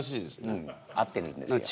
うん合ってるんですよ。